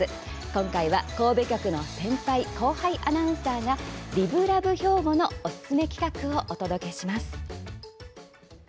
今回は、神戸局の先輩、後輩アナウンサーが「ＬｉｖｅＬｏｖｅひょうご」のおすすめ企画をお届けします。